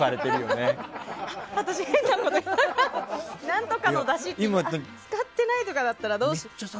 何とかのだしとか使ってないとかだったらどうしよう。